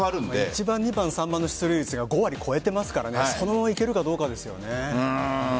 １番、２番、３番の出塁率が５割超えてますからいけるかどうかですよね。